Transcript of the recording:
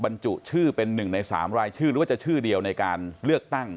บรรจุชื่อเป็น๑ใน๓รายชื่อหรือว่าจะชื่อเดียวในการเลือกตั้ง